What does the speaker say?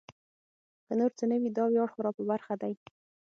که نور څه نه وي دا ویاړ خو را په برخه دی.